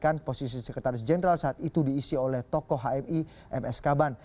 bahkan posisi sekretaris jenderal saat itu diisi oleh tokoh hmi ms kaban